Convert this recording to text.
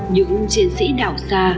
những chiến sĩ đảo xa